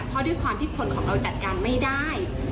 เพราะด้วยความที่คนของเราจัดการไม่ได้